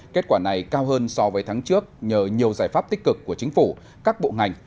kết quả này cao hơn so với tháng trước nhờ nhiều giải pháp tích cực của chính phủ các bộ ngành